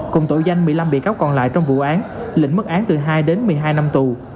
cùng tội danh một mươi năm bị cáo còn lại trong vụ án lĩnh mức án từ hai đến một mươi hai năm tù